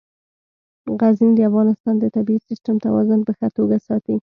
غزني د افغانستان د طبعي سیسټم توازن په ښه توګه ساتي.